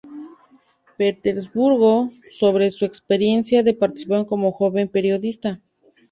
Petersburgo" sobre su experiencia de participación como joven periodista.